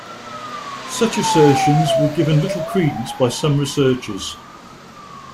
Such assertions were given little credence by some researchers.